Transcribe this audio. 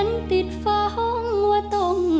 ส่งที่คืน